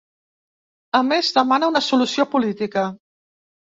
A més, demana una solució política.